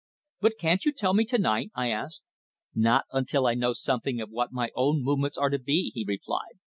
"But can't you tell me to night," I asked. "Not until I know something of what my own movements are to be," he replied.